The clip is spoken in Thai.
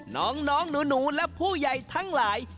น้องหนูและผู้ใหญ่ทั้งหลาย